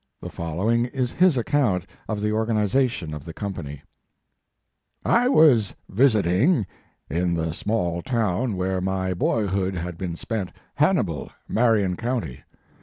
The following is his account of the or ganization of the company : "I was visiting in the small town where my boyhood had been spent Hannibal, Marion County.